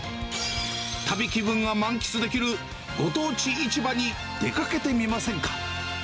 旅気分が満喫できる、ご当地市場に出かけてみませんか。